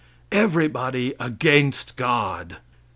Everybody against God!